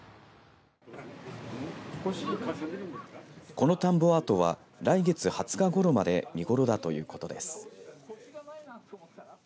この田んぼアートは来月２０日ごろまで見頃だということです。